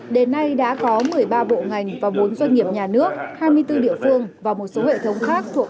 đến nay đã có một mươi ba bộ ngành và bốn doanh nghiệp nhà nước hai mươi bốn địa phương và một số hệ thống khác